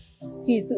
tích cực và tiêu cực